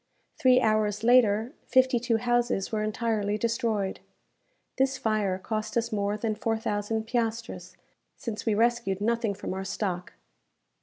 Three hours later, fifty two houses were entirely destroyed. This fire cost us more than four thousand piastres, since we rescued nothing from our stock.